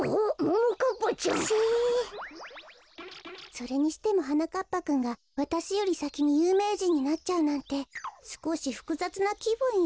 それにしてもはなかっぱくんがわたしよりさきにゆうめいじんになっちゃうなんてすこしふくざつなきぶんよ。